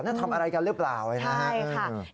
นั่นทำอะไรกันหรือเปล่าใช่ค่ะ